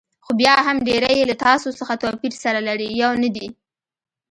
خو بیا هم ډېری یې له تاسو څخه توپیر سره لري، یو نه دي.